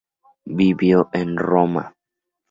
Vivió en Roma.